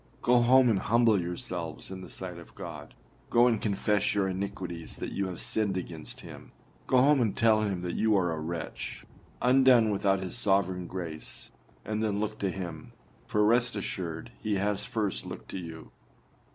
Go home and humble yourselves in the sight of God: go and confess your iniquities that you have sinned against him; go home and tell him that you are a wretch, undone without his sovereign grace; and then look to him, for rest assured he has first looked to you.